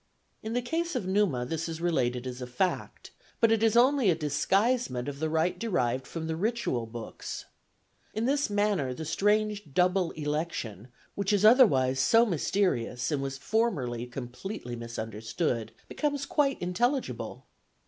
In the case of Numa this is related as a fact, but it is only a disguisement of the right derived from the ritual books. In this manner the strange double election, which is otherwise so mysterious and was formerly completely misunderstood, becomes quite intelligible.